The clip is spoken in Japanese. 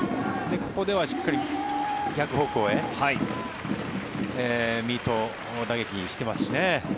ここではしっかり逆方向へミート打撃してますしね。